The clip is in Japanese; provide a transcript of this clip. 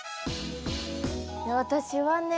私はね